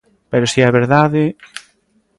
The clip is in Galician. Pero si é verdade...